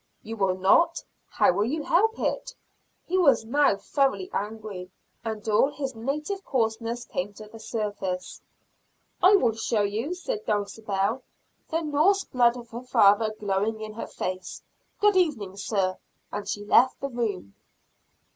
"You will not how will you help it?" He was now thoroughly angry, and all his native coarseness came to the surface. "I will show you," said Dulcibel, the Norse blood of her father glowing in her face. "Good evening, Sir!" and she left the room.